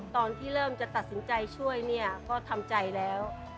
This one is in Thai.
ตอนที่เริ่มจะตัดสินใจช่วยเนี่ยก็ทำใจแล้ว